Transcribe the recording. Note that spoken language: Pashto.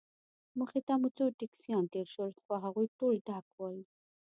مخې ته مو څو ټکسیان تېر شول، خو هغوی ټول ډک ول.